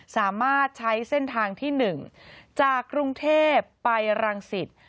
สามารถใช้เส้นทางที่๑จากกรุงเทพไปรังสิต